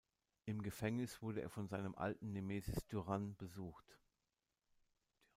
Im Gefängnis wurde er von seinem alten Nemesis Durán besucht.